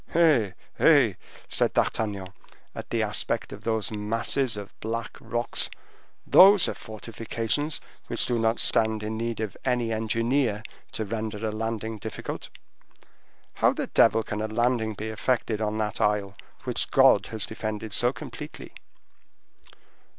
"Eh! eh!" said D'Artagnan, at the aspect of those masses of black rocks, "these are fortifications which do not stand in need of any engineer to render a landing difficult. How the devil can a landing be effected on that isle which God has defended so completely?"